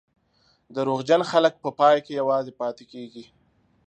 دروغجن خلک په پای کې یوازې پاتې کېږي.